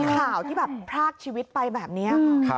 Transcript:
ข่าวที่แบบพรากชีวิตไปแบบนี้